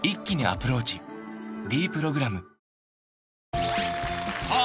「ｄプログラム」さあ